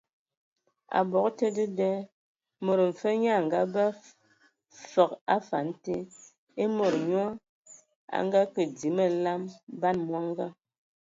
Abog te dedā, mod mfe nyaa a ngabe fəg a afan te ; e mod nyo a ngəkə dzii məlam, ban mɔngɔ.